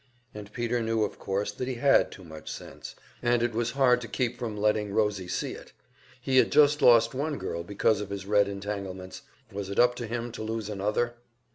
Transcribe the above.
And Peter knew, of course, that he had too much sense, and it was hard to keep from letting Rosie see it. He had just lost one girl because of his Red entanglements. Was it up to him to lose another?